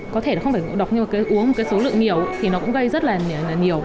có thể không phải ngộ độc nhưng uống một số lượng nhiều thì nó cũng gây rất nhiều